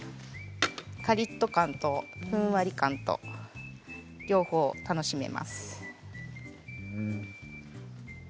かりっと感とふんわり感と両方楽しめます。